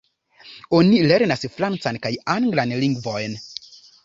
Oni lernas francan kaj anglan lingvojn.